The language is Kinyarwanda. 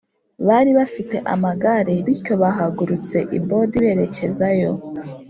Bari bafite amagare bityo bahagurutse i bod berekeza yo